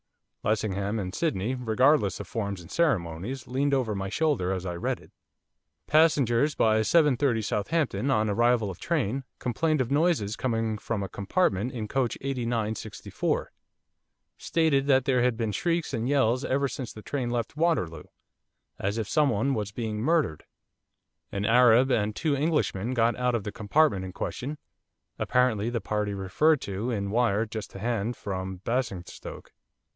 Lessingham and Sydney, regardless of forms and ceremonies, leaned over my shoulder as I read it. 'Passengers by 7.30 Southampton, on arrival of train, complained of noises coming from a compartment in coach 8964. Stated that there had been shrieks and yells ever since the train left Waterloo, as if someone was being murdered. An Arab and two Englishmen got out of the compartment in question, apparently the party referred to in wire just to hand from Basingstoke.